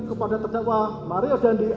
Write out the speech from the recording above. kepada terdakwa mario dendi